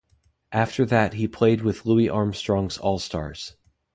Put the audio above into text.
After that he played with Louis Armstrong's All Stars.